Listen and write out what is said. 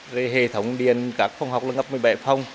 rồi hệ thống điện các phong học lưng ấp một mươi bảy phong